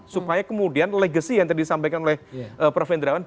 supaya kemudian legacy yang tadi disampaikan oleh prof hendrawan